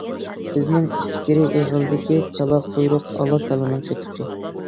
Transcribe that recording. بىزنىڭ ئىچكىرى ئېغىلدىكى چالا قۇيرۇق ئالا كالىنىڭ قېتىقى!